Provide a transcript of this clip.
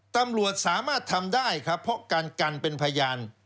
ตำรวจสามารถทำได้ครับเพราะการกันเป็นพยาน